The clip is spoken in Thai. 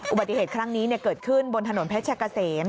อุบัติเหตุครั้งนี้เกิดขึ้นบนถนนเพชรกะเสม